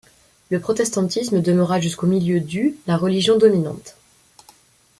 Le protestantisme demeura jusqu'au milieu du la religion dominante.